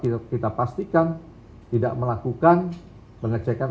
isw dapat kita pastikan tidak melakukan pengecekan